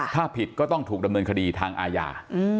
ถ้าผิดก็ต้องถูกดำเนินคดีทางอาญา